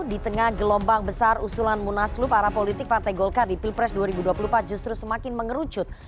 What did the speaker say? di tengah gelombang besar usulan munaslu para politik partai golkar di pilpres dua ribu dua puluh empat justru semakin mengerucut